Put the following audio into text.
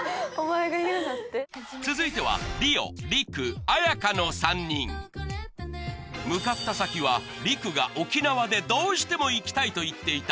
続いてはの３人向かった先はＲＩＫＵが沖縄でどうしても行きたいと言っていた